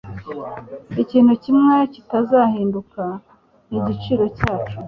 Ikintu kimwe kitazahinduka nigiciro cyacu